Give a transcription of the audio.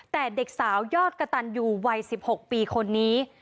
แต่เด็กสาวยอดกระตันยูวัย๑๖ปีคนนี้